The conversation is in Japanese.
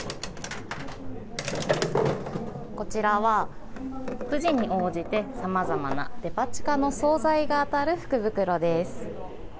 こちらは、くじに応じてさまざまなデパ地下の総菜が当たる福袋です。